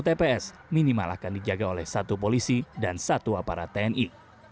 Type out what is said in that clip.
tiga tps minimal akan dijaga oleh satu polisi dan satu aparat tni